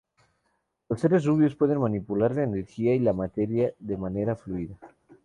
Los seres rubios pueden manipular la energía y la materia de manera fluida.